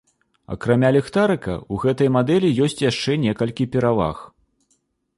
Акрамя ліхтарыка, у гэтай мадэлі ёсць яшчэ некалькі пераваг.